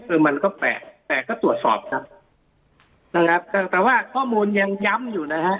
เออมันก็แปลกแปลกก็ตรวจสอบครับนะครับแต่ว่าข้อมูลยังย้ำอยู่นะฮะ